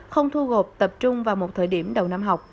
không thu gộp tập trung vào một thời điểm đầu năm học